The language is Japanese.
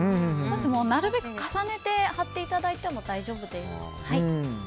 なるべく重ねて貼っていただいても大丈夫です。